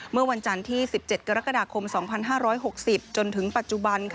เมื่อวันจันทร์ที่๑๗กรกฎาคม๒๕๖๐จนถึงปัจจุบัน